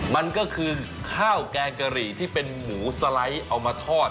มันก็คือข้าวแกงกะหรี่ที่เป็นหมูสไลด์เอามาทอด